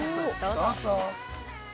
どうぞ。